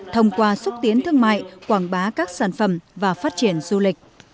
thông qua xúc tiến thương mại quảng bá các sản phẩm và phát triển du lịch